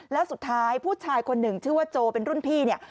แล้วสุดท้ายผู้ชายคนหนึ่งชื่อว่าโจเป็นรุ่นพี่เนี่ย